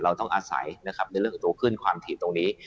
เราต้องอาศัยในเรื่องของตัวขึ้นความถี่ตรงนี้